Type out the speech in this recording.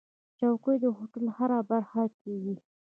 چوکۍ د هوټل هره برخه کې وي.